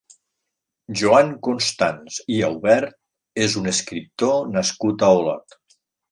Joan Constans i Aubert és un escriptor nascut a Olot.